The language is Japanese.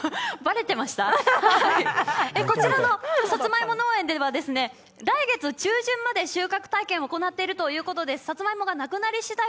こちらのさつまいも農園では来月中旬まで収穫体験を行っているということで、さつまいもがなくなり次第